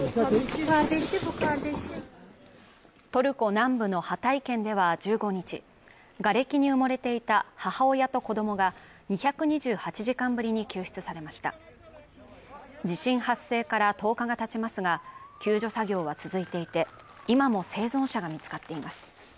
トルコ南部のハタイ県では１５日がれきに埋もれていた母親と子どもが２２８時間ぶりに救出されました地震発生から１０日がたちますが救助作業は続いていて今も生存者が見つかっています